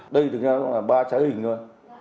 đây thực ra là ba trái hình thôi